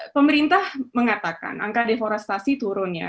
pemerintah mengatakan angka deforestasi turun ya